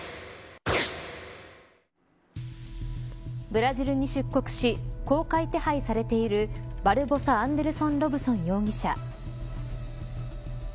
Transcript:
ブラジルに出国し公開手配されているバルボサ・アンデルソン・ロブソン容疑者。